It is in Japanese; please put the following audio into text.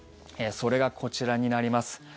それがこちらになります。